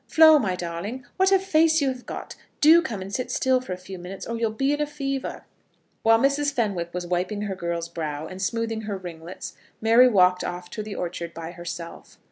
Flo, my darling, what a face you have got. Do come and sit still for a few minutes, or you'll be in a fever." While Mrs. Fenwick was wiping her girl's brow, and smoothing her ringlets, Mary walked off to the orchard by herself.